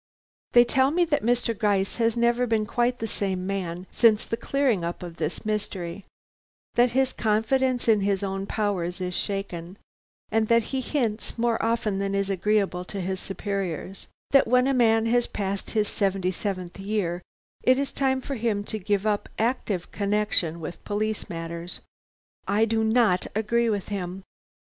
They tell me that Mr. Gryce has never been quite the same man since the clearing up of this mystery; that his confidence in his own powers is shaken, and that he hints, more often than is agreeable to his superiors, that when a man has passed his seventy seventh year it is time for him to give up active connection with police matters. I do not agree with him.